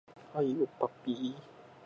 はい、おっぱっぴー